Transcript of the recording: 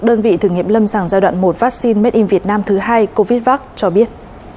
đơn vị thử nghiệm lâm sàng giai đoạn một vaccine made in vietnam thứ hai covid vaccine cho biết